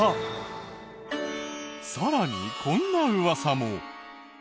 さらにこんなウワサも。